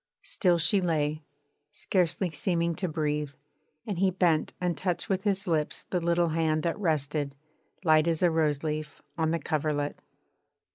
Still she lay, scarcely seeming to breathe, and he bent and touched with his lips the little hand that rested, light as a rose leaf, on the coverlet....